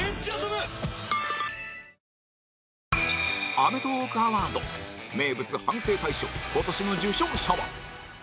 『アメトーーク』アワード名物、反省大賞今年の受賞者は？